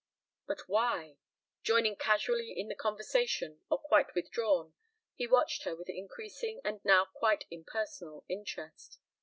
But why? Joining casually in the conversation, or quite withdrawn, he watched her with increasing and now quite impersonal interest.